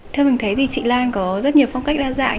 theo mình thấy thì chị lan có rất nhiều phong cách đa dạng